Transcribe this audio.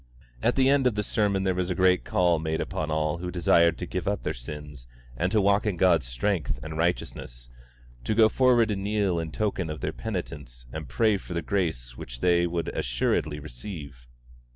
At the end of the sermon there was a great call made upon all who desired to give up their sins and to walk in God's strength and righteousness, to go forward and kneel in token of their penitence and pray for the grace which they would assuredly receive.